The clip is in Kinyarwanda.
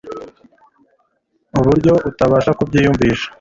kuburyo utabasha kubyiyumvisha